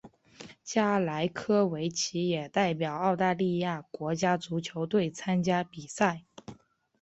加莱科维奇也代表澳大利亚国家足球队参加比赛。